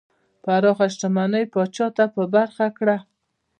پراخه شتمنۍ پاچا ته په برخه کړه.